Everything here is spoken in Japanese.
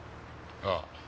ああ。